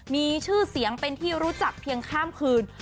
มีชื่อเสียงเป็นที่รู้จักเพียงข้ามคืน